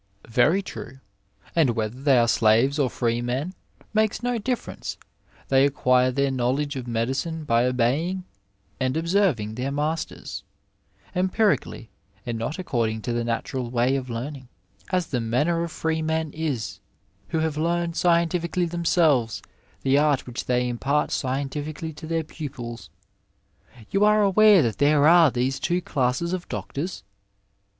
Cfe. Very true. (EHi, And whether they are slaves or freemen makes no diflfer enoe; they acquire their knowledge of medicine by obeying and obseiviiig their masters ; empirically and not according to the natural way of learning, as the manner of freemen ^is, who have learned scientifically themselves the art which they impart scien tifically to their pupils. You are aware that there are these two ckuwes of doctors